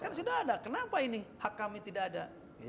kan sudah ada kenapa ini hak kami tidak ada